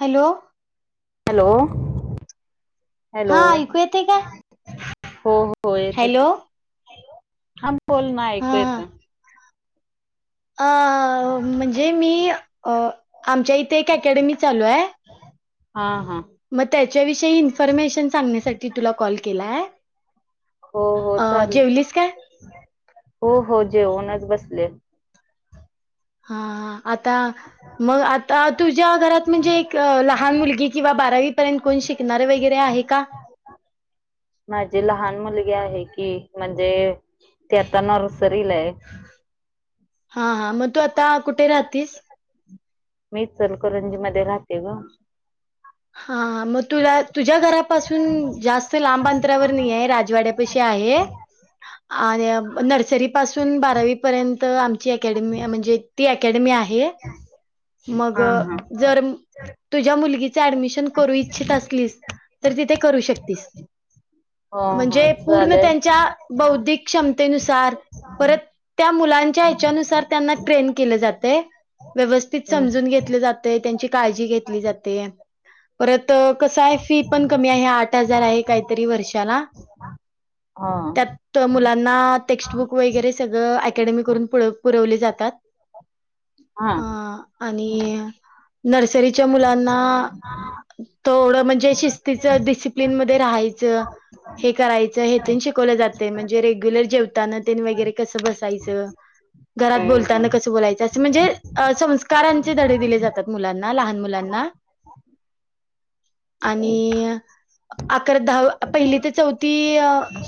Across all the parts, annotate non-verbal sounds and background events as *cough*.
Hello. Hello, hello. हा ऐकू येते का हो, हो. हो येतं हॅलो की. हॅलो. हा बोल ना हा ऐकू येतं. अ म्हणजे मी, अ आमच्या इथे एक अकॅडमी चालूय. हा, हा. मग त्याच्याविषयी, इन्फर्मेशन सांगण्यासाठी तुला कॉल केलाय. हो हो अ चाल जेवलीस काय? हो, हो. जेवूणच बसले. हा, हा. आता मग आता. तुझ्या घरात म्हणजे एक लहान मुलगी किंवा बारावीपर्यंत कोण शिकणार वगैरे आहे का? माझी लहान मुलगी आहे की. म्हणजे, ती आता नर्सरीलाय. हा, हा. मग तू आता कुठे राहतीस? मी इचलकरंजी मध्ये राहते गं. हा. मग तुला, तुझ्या घरापासून जास्त लांब अंतरावर नाही य. राजवाड्यापशी आहे. आणि नर्सरी पासून, बारावी पर्यंत आमची अकॅडमी म्हणजे ती अकॅडमी आहे. मग हा हा जर तुझ्या मुलगीचे ऍडमिशन करू इच्छित असलीस. तर तिथे करू शकतीस. हा हा म्हणजे, पूर्ण चालेल त्यांच्या बौद्धिक क्षमतेनुसार, परत त्या मुलांच्या ह्याच्यानुसार, त्यांना ट्रेन केलं जातय. व्यवस हम्म समजून घेतलं जातय. त्यांची काळजी घेतली जाते. परत कसाय, फी पण कमी आहे. आठ हजार आहे. काहीतरी वर्षाला. हा त्यात क तर मुलांना टेक्स्टबुक वगैरे सगळं. अकॅडमी करून पूर -पुरवले जातात. हा अ आणि नर्सरीच्या मुलांना ोडं म्हणजे शिस्तीच सि प्न मध्ये राहायचं. हे करायचं हेथून शिकवलं जाते म्हणजे रेग्युलर जेवताना त्यांनी वगैरे कसं बसायचं. घरात हम्म बोलताना हम्म कस बोलायच असं म्हणजे संस्कारांचे धडे दिले जातात. मुलांना लहान मुलांना ठीक. आणि अकरा दहा पहिली ते चौथी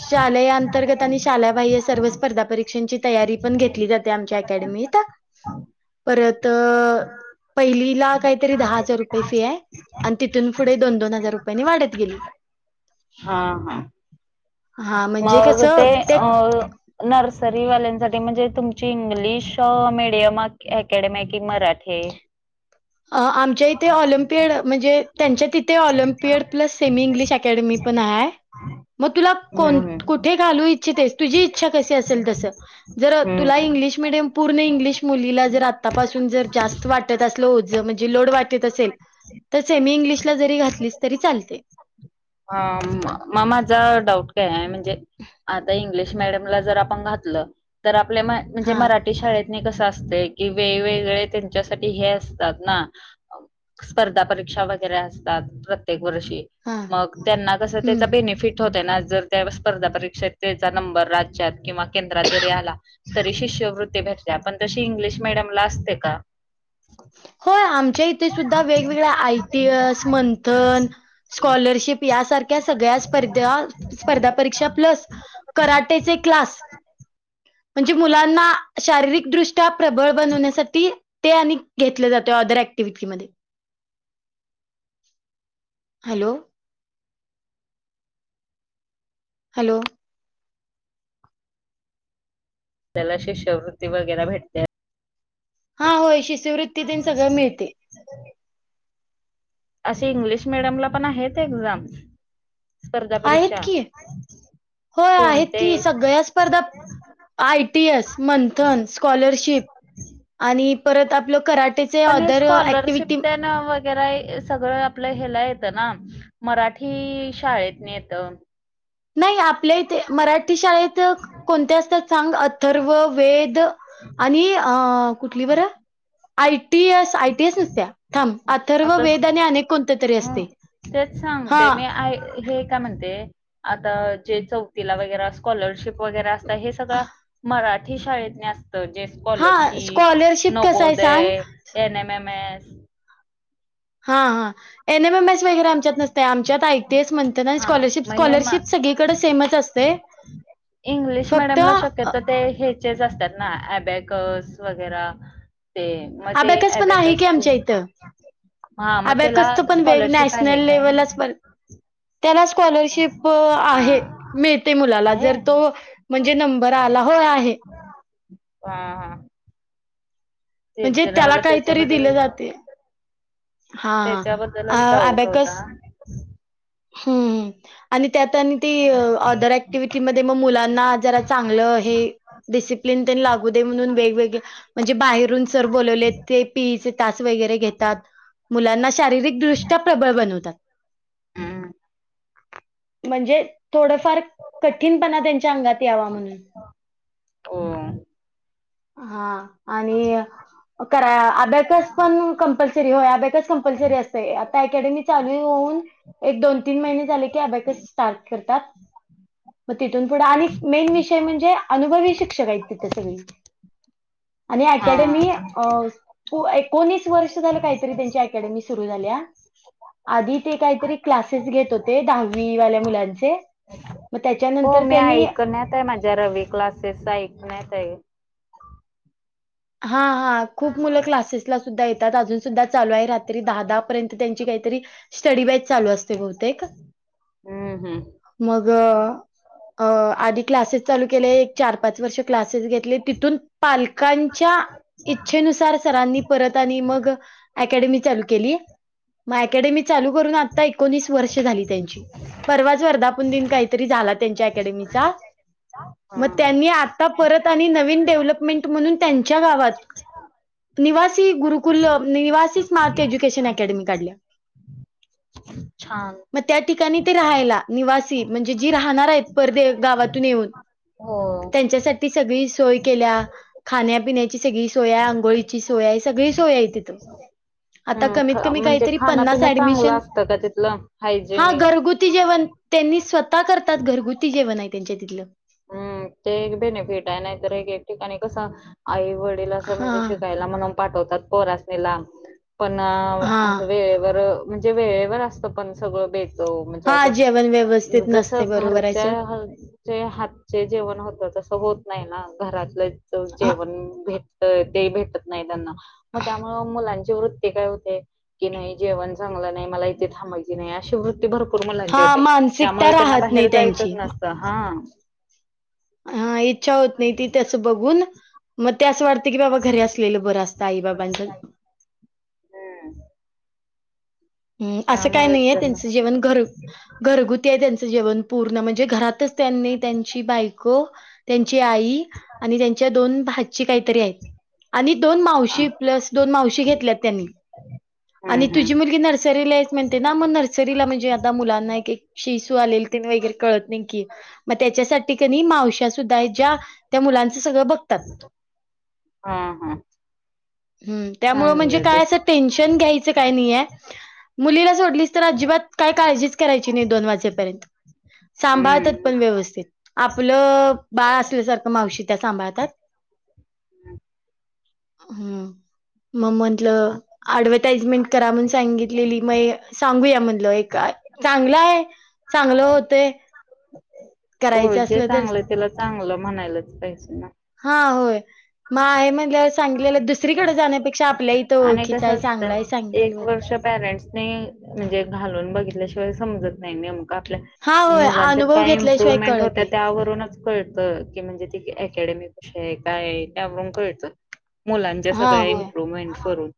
शाले अंतर्गत आणि शाळेबाह्य सर्व स्पर्धा परीक्षांची तयारी पण घेतली जाते आमच्या अकॅडमीत परत पहिलीला काहीतरी दहा हजार रुपये फी आहे. आणि तिथून पुढे दोन दोन हजार रुपयांनी वाढत गेली. हा ह. हा म्हणजे मगग कसं ते अ. नर्सरीवाल्यांसाठी म्हणजे तुमची इंग्लिश मडियम. अकॅडमे कि मराठे. आमच्या इथे ऑलिम्पियड म्हणजे त्यांच्या ति. Olympiad plus semi English academy पण आहे मग तुला हम्म हम्म कुठे? हम्म *unintelligible* पूर्ण इंग्लिश मुलीला जर आतापासून जर जास्त वाटत असलं होत. म्हणजे लोड वाट असेल तर सेमी इंग्लिशला जरी घातली तरी चालते. ह मग माझा डाऊट काय आहे म्हणजे आता इंग्लिश म आप घात आपल्याे हा मरा. कस असत कि वेगवेगळे त्यांच्यासाठी हे असतात ना. स्पर्धा परीक्षा वगैरे असतात प्रत्येक वर्षी हा मग त्यांना कसं त्याचा हम्म बेनिफिट होत ना जर त्या स्पर्धा परीक्षेत त्याचा नंबर राज्यात किंवा केंद्रात जरी आला. तरी शिष्यवृत्ती भेटल्या पण तशी इंग्लिश मिीडियमला असते का? हो आमच्या इथे सुद्धा वेगवेगळ्या आयटी एस मंथन स्कॉलरशिप यासारख्या सगळ्या स्पर्धा स्पर्धा परीक्षा प्लस. कराटेचे क्लास. म्हणजे मुलांना शारीरिकदृष्ट्या प्रबळ बनवण्यासाठी ते आणि घेतलं जातं अदर ऍक्टिव्हटीमध्येध्ये हॅलो. हॅलो! त्याला शिष्यवृत्ती वगैरे भेटते. हा होय शिष्यवृत्ती दिन सगळं मिळते. अशी इंग्लिश मिीडियम ला पण आहे एक्झाम. स्पर्धा परीक्षा. हो आहेत कोणते की सगळ्या स्पर्धा आयटी एस मंथन्स. स्कॉलरशिप आणि परत आपलं कराटेचे पण हे अदर स्कॉलरशिप ऍक्टिव्हटी. त्यान वगैरे सगळं आपलं ह्याला येतं ना. मराठी शाळेत येत. नाही आपल्या इथे मराठी शाळेत कोणत्या असतात. सांग अथर्व वेद आणि अ कुठलीवरर. आयटीएस आयटीएस नसत्या थांब अथर्व आता वेदने अनेक कोणते्या तरी असते. तेच हा सांगते मी आ हे. मी काय म्हणते ते चौथीला वगैरे कॉलरशिप ला असतात. हे सगळं मराठी शाळेत असत जे हा स्कॉलरशिप स्कॉलरशिप कसं आहे सांग नगोदय एन एम एम एस. हा हा एन एम एम एस वगैरे आमच्यात नसते आमच्यात ऐतेस म्हण. हा स्कॉलरशिप मग हे म स्कॉलरशिप सगळीकडे सेमच असते इंग्लिश फक्त. मिडियमला शक्यतो ते ह्याचेच असतात ना अबॅकस वगैरे. ते म ते अबॅकस पण अबे कस. अभ्या कसत पण नॅशनल काय? लेव्हललाच प त्याला स्कॉलरशिप हा आहे मिळते मुलाला आहे जर तो. म्हणजे नंबर आला हो आहे. हा हा. ते म्हणजे जरा त्याला मला काहीतरी दिले त्याच्याबद्दल जाते. हा त्याच्याबद्दलच डाऊट होता. हम्म. आणि त्यात आणि ती अदर ऍक्टिव्हटीमध्येध्ये मग मुलांना जरा चांगलं हे. डिसिप्लिन त्यांनी लागू दे म्हणून वेगवेगळे. म्हणजे बाहेरून सर बोलवले ते पिईचे तास वगैरे घेतात मुलांना शारीरिकदृष्ट्या प्रबळ बनवतात हम्म म्हणजे थोडफार कठीणपणा त्यांच्या अंगात यावा म्हणून हो हा आणि करा अंबकस पण कंपल्सरी हो अंबकस कंपल्सरी असते आता अकॅडमी चालू होऊन एक दोन तीन महिने झाले की अभ्याक स्टार्ट करतात. मग तिथून पुढं आणि मेन विषय म्हणजे अनुभवी शिक्षक आहेत तिथे सगळी. आणि हा अकॅडमी एकोणीस वर्ष झालं काहीतरी त्यांची अकॅडमी सुरू झाल्या. आधी ते काहीतरी क्लासेस घेत होते दहावी वाल्या मुलांचे. मग त्याच्यानंतर त्यांनी. ्या. *unintelligible* जरा रविक्लासेस ऐक नाहीत आहे. हा हा खूप मुलं क्लासेसला. सुद्धा येतात अजून सुद्धा चालू आहे रात्री दहा वाजेपर्यंत त्यांची स्टडी बॅच चालू असते बहुतेक हम्म हम्म मग. अ आधी क्लासेस चालू केले एक चार पाच वर्ष क्लासेस घेतले तिथून पालकां. च्या इच्छेनुसार सरांनी परत आणि मग अकडमी चालू केली. मग अकॅडमी चालू करून आता एकोणीस वर्ष झाली त्यांची परवाच वर्धापून दिन काहीतरी झाला. त्यांच्या अँकॅडमी चा मग हा त्यांनी आता पर आणि नवीन डेव्हलपमेंट म्हणून त्यांच्या गावात निवासी गुरुकुल निवासी स्मार्ट एज्युकेशन अकॅडमी काढल्या अअ *unintelligible* च छान मग त्या ठिकाणी ते राहायला निवासी म्हणजे जी राहणार आहेत परदे गावातून येऊन हो त्यांच्यासाठी सगळी सोय केल्या खाण्यापिण्याची सगळी सोय आघोळीची सोय आहे सगळी सोय आहे तिथं आता हम्म कमीत ख- कमी म्हणजे काहीतरी खाणं पन्नास पिणं चांगलं ऍडमिशन असतं का तिथलं हा हायजेनिक? घरगुती जेवण त्यांनी स्वतः करतात घरगुती जेवण आहे त्यांच्या तिथलं हम्म ते एक बेनिफिट आहे नाहीतर एक ठिकाणी कस आईवडील हा म्हणजे शिकायला म्हणून पाठवतात पोरासणी लांब पण हा अस वेळेवर म्हणजे वेळेवर असतं पण सगळं बेत त म्हणजे हा असं जेवण अ व्यवस्थित जस नसते बरोबर आहे घरच्या सर जे हातचे जेवण होतं तसं होत नाही ना घरातलं पण जेवण भेटतय ते भेटत नाही त्यांना मग त्यामुळे मुलांची वृत्ती काय होते की नाही जेवण चांगलं नाही मला इथे थांबायची नाही अशी वृत्ती भरपूर मुलांचे हा होते मानसिकता त्यामुळे त्यांना राहत नाही बाहेर जायचंच त्यांची नसतं हा हा इच्छा होत नाही ती तस बघून मग त्याच वाटत की बाबा घरी असलेलं बरं असतं आई बाबाकडे हम्म हम् असं काही त्यामुळेच नाहीये त्यांना त्यांच जेवण घरचे असते घरगुती आहे त्यांच जेवण पूर्ण म्हणजे घरातच त्यांनी त्यांची बायको त्यांची आई आणि त्यांच्या दोन भाची काहीतरी आहेत आणि दोन हा. मावशी प्लस दोन मावशी घेतल्यात त्यांनी हम्म आणि तुझी हम्म मुलगी नस री लाइक म्हणते ना नर्सरी म्हणेजे आब मुलाना शी शु आलेली कळते ते मेजर कळत नाही की मग त्याच्यासाठी कणी मावश्या सुद्धा आहेत ज्या त्या मुलांचंसुद्धा सगळं बघतात हा हा हम्म त्यामुंळे म्हणजे चांगले ते. काय असं टेन्शन घ्यायचं काय नाहीय मुलीला सोडलीस तर अजिबात काय काळजीच करायची नाही दोन वाजेपर्यंत सांभाळतात हम्म. पण व्यवस्थित आपलं बाळ असल्यासारखं मावशी त्या सांभाळतात हम्म मग म्हटलं ऍडव्हटाइजमेंट करा म्हण सांगितलेली म सांगूया मधलं एक चांगलं आहे चांगलं होतय हो जे चांगलं त्याला चांगलं म्हणायलाच पाहिजे ना हा होय माहेर म्हटल सांगलेलं दुसरीकडे जाण्यापेक्षा आपल्या इथं आणि ओळखीचा कसं आहे असत चांगला आहे सांगितलेलं एक बरं. वर्ष पॅरेंट्सनी म्हणजे घालून बघितल्याशिवाय समजत नाही नेम आपल्या हा होय मुलांच्या अनुभव काय घेतल्याशिवाय इम्प्रुव्हमेंट कळत होत्यात नाही. त्यावरूनच कळत की म्हणजे त अकॅडमी कशी आहे काय त्यावरून कळतं मुलांच्या हा सगळ्या होय. इम्प्रुवमेंटवरून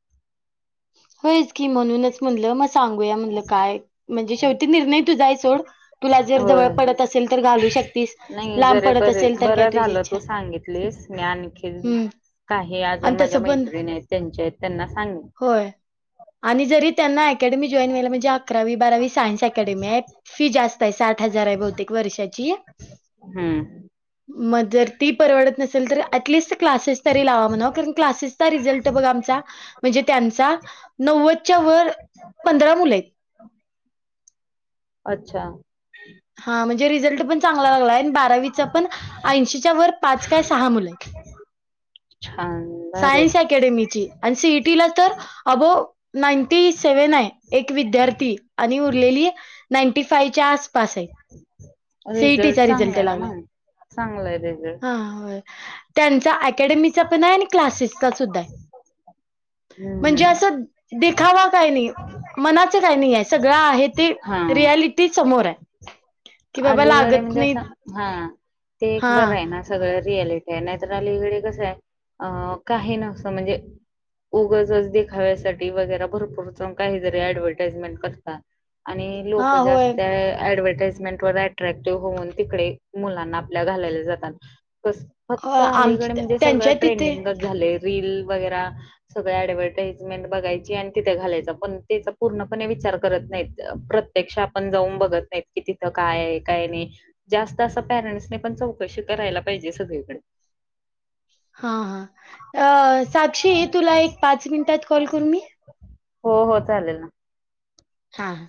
होयच की म्हणूनच म्हणलं म सांगूया म्हणलं काय म्हणजे शेवटी निर्णय तूझा आहे सोड तुला जर होय जवळ पडत असेल तर घालू शकतेस नाही लांब जरे पडत बर असेल तर काय बरं तुझी झालं इच्छा तू सांगितलीस मी आणखी हम्म काही आणि अजून माझ्या तसं पण मैत्रीणी आहेत त्यांच्या आहेत त्यांना सांगे होय आणि जरी त्यांना अकॅडमी जॉईन व्हाला म्हणजे अकरावी बारावी सायन्स अकॅडमी आहे फी जास्त आहे साठ हजार आहे बहुतेक वर्षाची हां मग जर ती परवडत नसेल तर अटलिस्ट क्लासेस तरी लावा क आ म्हण त्यां नवव व पंधरा मुले आहेत अच्छा हा म्हणजे रिझल्ट पण चांगला लागला आणि बारावीचा पण ऐंशीच्या वर पाच काय सहा मुलं आहेत च्छान सायन्स अकॅडमीची आणि सिटीला तर अबो नाईनटी सेव्हन आहे एक विद्यार्थी आणि उरलेली नाईंटी फाईव्हच्या आसपास आहे सेटचा चांगला रिझल्ट आहे ना लागला मग चांगला आहे रिझल्ट हा त्यांचा अकॅडमीचा पण आहे आणि क्लासेसचा सुद्धा आहे हम्म म्हणजे हम्म असं देखावा काय नाही मनाचं काही नाही आहे सगळं आहे ते हा रियालिटी समोर आहे कि बाबा अलीकडे लागत म्हणजे नाही असं हा ते एक हा बरं रा आहेणार सगळ रियालिटी आहे नाहीतर अलीकडे कसं आहे अ काही नसं म्हणजे उगजच देखाव्यासाठी वगैरे भरपूर काहीतरी ऍडव्हर्टाईजमेंट करतात आणि लोक हा होय जास्त ऍडवटाइज अ्रॅक्टिव्ह होऊन तिकडे मुलांना आपल्या घाला जातात फक्त आम अलीकडे म्हणजे सगळं त्यांच्या तिथे ट्रेंडिंग झाले रील वगैर सगळ ऍडव्हटाइजमेंट बघायची आणि तिथे घालायचा पण त्याचा पूर्णपणे विचार करत नाहीत प्रत्य पेक्षा आपण जाऊन बघत नाहीत की तिथं काय काय नाही जास्त असं पॅरेंट्स पण चौकशी करायला पाहिजे सगळीकडे.. हां हा साक्षी तुला एक पाच मिनिटात कॉल करू मी. हो हो चालेल. हा ह.